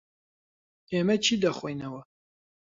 ئێمە چی دەخۆینەوە؟